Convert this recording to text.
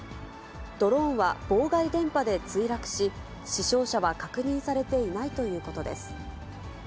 ドローンは妨害電波で墜落し、死傷者は確認されていないということです。